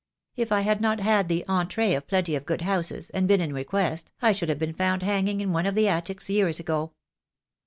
If I had not had the entree of plenty of good houses, and been in request, I should have been found hanging in one of the attics years ago."